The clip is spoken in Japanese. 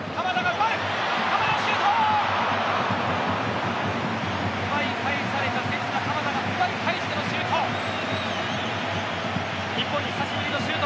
奪い返された鎌田が奪い返してのシュート。